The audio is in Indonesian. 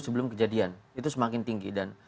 sebelum kejadian itu semakin tinggi dan